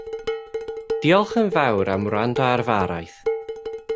Diolch yn fawr am wrando ar fy araith